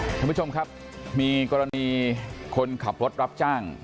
ท่านผู้ชมครับมีกรณีคนขับรถรับจ้าง